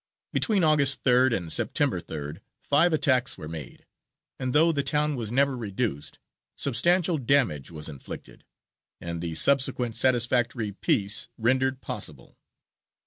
Between August 3rd and September 3rd five attacks were made, and though the town was never reduced, substantial damage was inflicted, and the subsequent satisfactory peace rendered possible.